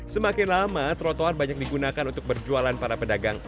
semakin lama trotoar banyak digunakan untuk berjualan para pedagang